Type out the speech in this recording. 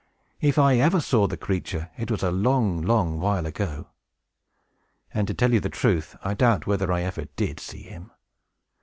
If I ever saw the creature, it was a long, long while ago; and, to tell you the truth, I doubt whether I ever did see him.